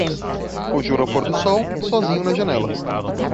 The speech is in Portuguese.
Rojor ao pôr do sol, sozinho na janela.